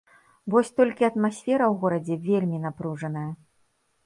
Вось толькі атмасфера ў горадзе вельмі напружаная.